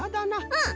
うん。